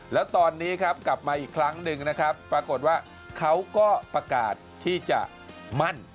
แล้วตอนนี้ครับกลับมาอีกครั้งหนึ่งนะครับปรากฏว่าเขาก็ประกาศที่จะมั่น